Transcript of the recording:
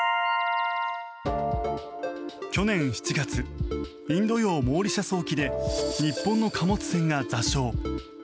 去年７月インド洋モーリシャス沖で日本の貨物船が座礁。